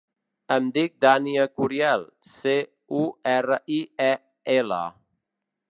Em dic Dània Curiel: ce, u, erra, i, e, ela.